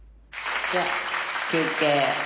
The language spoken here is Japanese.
じゃ休憩。